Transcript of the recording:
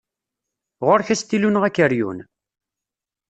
Ɣur-k astilu neɣ akeryun?